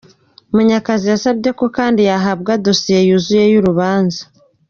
Munyakazi yasabye ko kandi yahabwa dosiye yuzuye y’urubanza.